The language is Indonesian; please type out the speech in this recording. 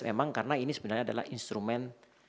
memang karena ini sebenarnya adalah instrumen